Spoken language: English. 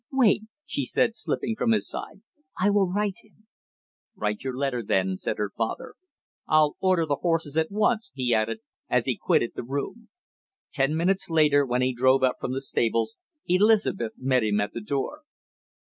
"Wait," she said, slipping from his side. "I will write him " "Write your letter then," said her father. "I'll order the horses at once," he added, as he quitted the room. Ten minutes later when he drove up from the stables, Elizabeth met him at the door.